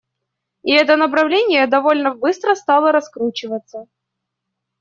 И это направление довольно быстро стало раскручиваться.